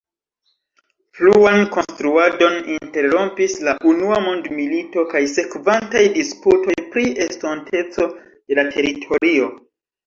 Pluan konstruadon interrompis la unua mondmilito kaj sekvantaj disputoj pri estonteco de la teritorio.